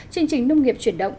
chương trình nông nghiệp chuyển động